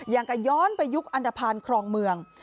อย่างกับย้อนไปยุคอันตภัณฑ์ครองเมือง